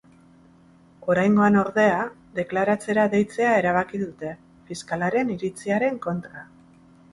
Oraingoan, ordea, deklaratzera deitzea erabaki dute, fiskalaren iritziaren kontra.